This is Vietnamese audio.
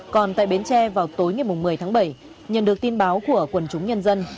còn tại bến tre vào tối ngày một mươi tháng bảy nhận được tin báo của quần chúng nhân dân